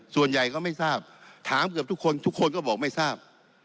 ส่วนใหญ่ก็ไม่ทราบถามเกือบทุกคนทุกคนก็บอกไม่ทราบ